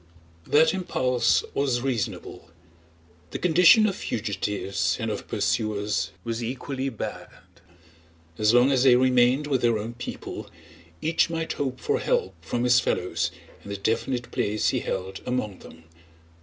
That impulse was reasonable. The condition of fugitives and of pursuers was equally bad. As long as they remained with their own people each might hope for help from his fellows and the definite place he held among them.